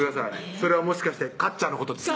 それはもしかしてかっちゃんのことですか？